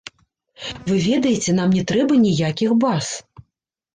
Вы ведаеце, нам не трэба ніякіх баз.